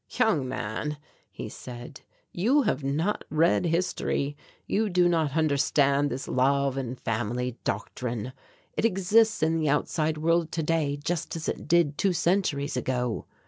"Young man," he said, "you have not read history; you do not understand this love and family doctrine; it exists in the outside world today just as it did two centuries ago.